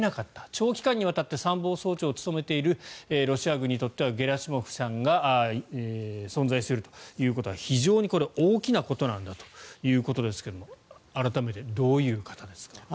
長期間にわたって参謀総長を務めているロシア軍にとってはゲラシモフさんが存在することは非常に大きなことなんだということですが改めて、どういう方ですか？